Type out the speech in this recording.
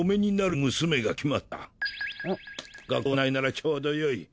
学校がないならちょうどよい。